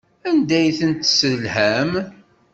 Anda ay ten-tesselham?